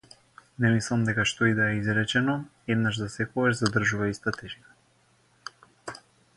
Не мислам дека што и да е изречено еднаш за секогаш задржува иста тежина.